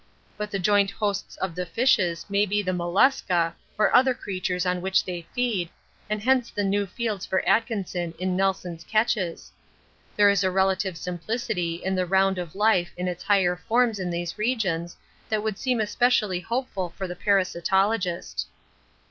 But the joint hosts of the fishes may be the mollusca or other creatures on which they feed, and hence the new fields for Atkinson in Nelson's catches. There is a relative simplicity in the round of life in its higher forms in these regions that would seem especially hopeful for the parasitologist.